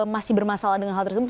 masih bermasalah dengan hal tersebut